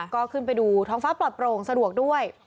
ก็ขึ้นไปดูท้องฟ้าปลอดโปร่งสะดวกด้วย